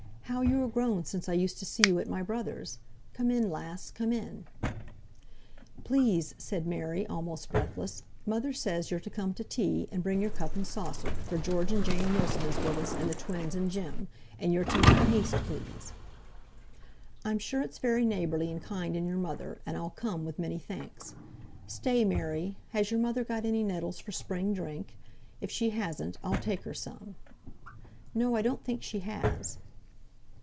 "How you are grown since I used to see you at my brother's! Come in, lass, come in." "Please," said Mary, almost breathless, "mother says you're to come to tea, and bring your cup and saucer, for George and Jane Wilson is with us, and the twins, and Jem. And you're to make haste, please." "I'm sure it's very neighbourly and kind in your mother, and I'll come, with many thanks. Stay, Mary, has your mother got any nettles for spring drink? If she hasn't I'll take her some." "No, I don't think she has."